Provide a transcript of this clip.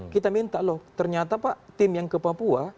kita minta loh ternyata pak tim yang ke papua